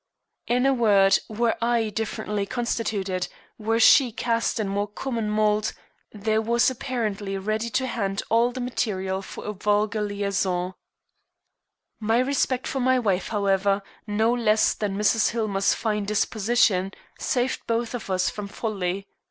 In a word, were I differently constituted, were she cast in more common mould, there was apparently ready to hand all the material for a vulgar liaison. My respect for my wife, however, no less than Mrs. Hillmer's fine disposition, saved both of us from folly.